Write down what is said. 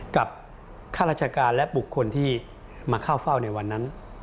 ข้าราชการและบุคคลที่มาเข้าเฝ้าในวันนั้น